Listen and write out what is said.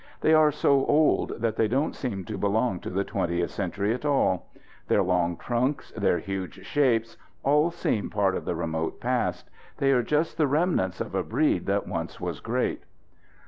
They are so old that they don't seem to belong to the twentieth century at all. Their long trunks, their huge shapes, all seem part of the remote past. They are just the remnants of a breed that once was great.